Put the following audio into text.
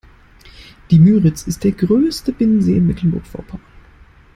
Die Müritz ist der größte Binnensee in Mecklenburg Vorpommern.